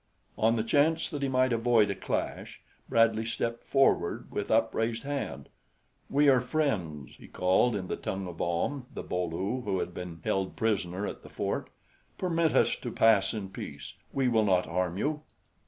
On the chance that he might avoid a clash, Bradley stepped forward with upraised hand. "We are friends," he called in the tongue of Ahm, the Bo lu, who had been held a prisoner at the fort; "permit us to pass in peace. We will not harm you."